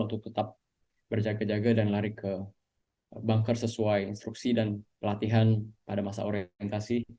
untuk tetap berjaga jaga dan lari ke banker sesuai instruksi dan pelatihan pada masa orientasi